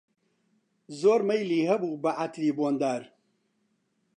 زۆر مەیلی هەبوو بە عەتری بۆندار